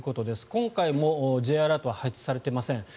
今回もＪアラートは発出されていません。